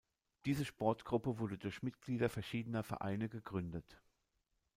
Diese Sportgruppe wurde durch Mitglieder verschiedener Vereine gegründet.